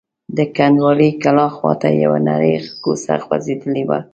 د کنډوالې کلا خواته یوه نرۍ کوڅه غځېدلې وه.